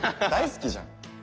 大好きじゃん。